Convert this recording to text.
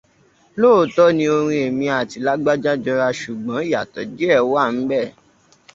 Lóòtọ́ orin èmi àti Lágbájá jọra ṣùgbọ́n ìyàtọ̀ díẹ̀ wà ńbẹ